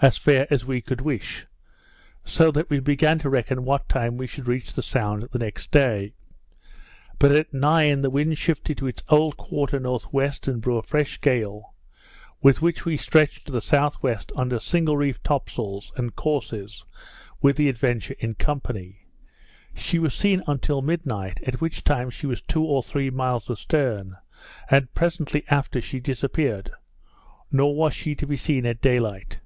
as fair as we could wish; so that we began to reckon what time we should reach the Sound the next day; but at nine the wind shifted to its old quarter N.W., and blew a fresh gale, with which we stretched to the S.W., under single reefed topsails and courses, with the Adventure in company. She was seen until midnight, at which time she was two or three miles a stern, and presently after she disappeared; nor was she to be seen at day light.